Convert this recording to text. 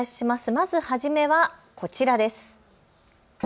まず初めはこちらです。